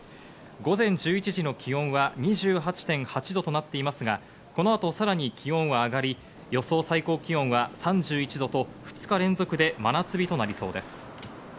午前１１時の気温は２８．８度となっていますが、この後さらに気温が上がり、予想最高気温は３１度と２日連続で真夏日となりそうです。